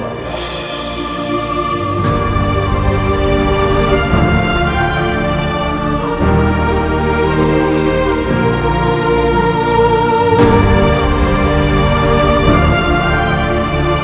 amin ya rabbana